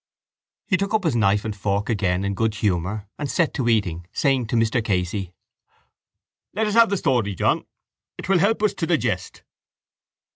He took up his knife and fork again in good humour and set to eating, saying to Mr Casey: —Let us have the story, John. It will help us to digest.